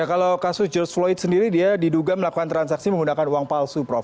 kalau kasus george floyd sendiri dia diduga melakukan transaksi menggunakan uang palsu prof